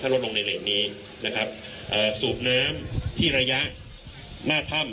ลดลงในเหลี่ยนี้นะครับเอ่อสูบน้ำที่ระยะหน้าถ้ำ